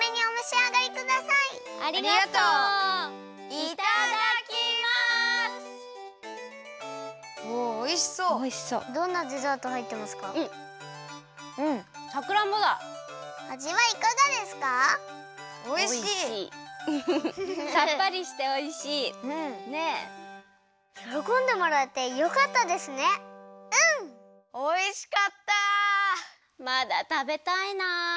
まだたべたいな。